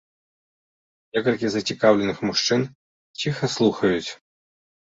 Некалькі зацікаўленых мужчын ціха слухаюць.